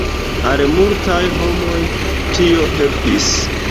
Al multaj homoj tio helpis.